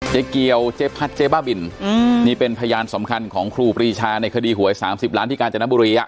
เจ๊เกียวเจ๊พัดเจ๊บ้าบินนี่เป็นพยานสำคัญของครูปรีชาในคดีหวย๓๐ล้านที่กาญจนบุรีอ่ะ